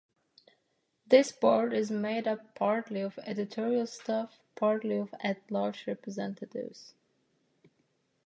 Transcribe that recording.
This board is made up partly of editorial staff, partly of "at large" representatives.